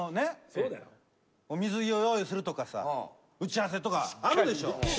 そうだよ。お水用意するとかさ打ち合わせとかあるでしょ。